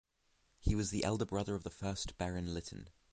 He was the elder brother of the first Baron Lytton.